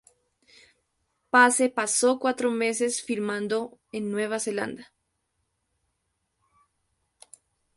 Pace pasó cuatro meses filmando en Nueva Zelanda.